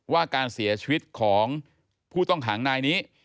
ว่าการเสียชีวิตของผู้ต้องขังนายนี้